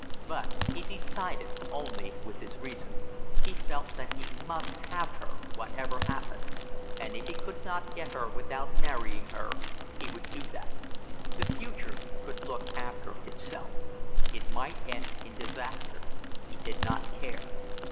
But he decided only with his reason; he felt that he must have her whatever happened; and if he could not get her without marrying her he would do that; the future could look after itself. It might end in disaster; he did not care.